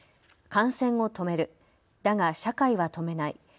感染を止める、だが社会は止めない。